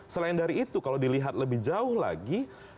selain dari itu kalau dilihat lebih jauh lagi